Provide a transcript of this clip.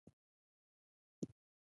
جامی را ټولوئ؟